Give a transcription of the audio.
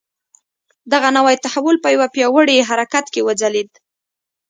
دغه نوی تحول په یوه پیاوړي حرکت کې وځلېد.